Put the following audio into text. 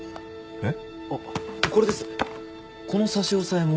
えっ？